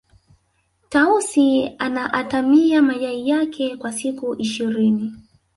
tausi anaatamia mayai yake kwa siku ishirini